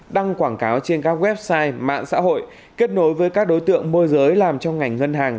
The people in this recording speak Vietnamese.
đăng quảng cáo trên các website mạng xã hội kết nối với các đối tượng môi giới làm trong ngành ngân hàng